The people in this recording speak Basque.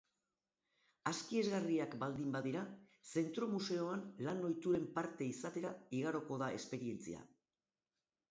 Askiesgarriak baldin badira, zentro-museoan lan-ohituren parte izatera igaroko da esperientzia.